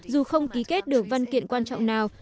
dù không ký kết được văn kiện quan trọng nào